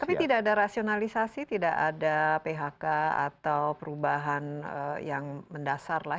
tapi tidak ada rasionalisasi tidak ada phk atau perubahan yang mendasar lah